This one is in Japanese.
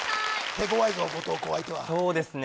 手ごわいぞ後藤弘相手はそうですね